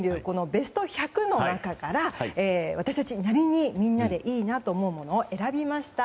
ベスト１００の中から私たちなりに、みんなでいいなと思うものを選びました。